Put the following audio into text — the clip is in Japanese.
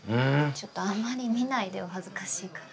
ちょっとあんまり見ないでよ恥ずかしいから。